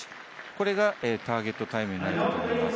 これがターゲットタイムです。